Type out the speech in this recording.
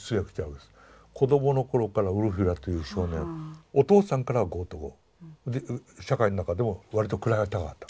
子どもの頃からウルフィラという少年お父さんからはゴート語で社会の中でも割と位が高かった。